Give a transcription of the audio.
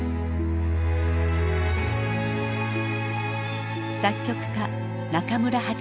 作曲家中村八大さん。